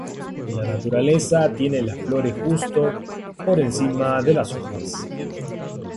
En la naturaleza tiene las flores justo por encima de las hojas.